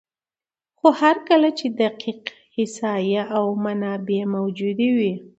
خو هر کله چې دقیق احصایه او منابع موجود وي،